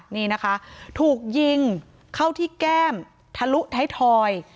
นี่นะคะถูกยิงเข้าที่แก้มทะลุท้ายทอย